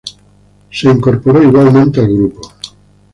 Se incorporó igualmente al grupo.